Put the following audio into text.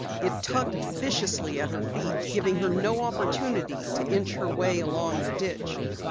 It tugged viciously at her feet, giving her no opportunity to inch her way along the ditch.